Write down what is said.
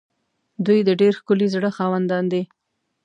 دوی د ډېر ښکلي زړه خاوندان دي.